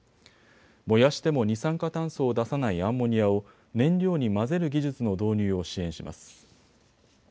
燃やしても二酸化炭素を出さないアンモニアを燃料に混ぜる技術の導入を支援します。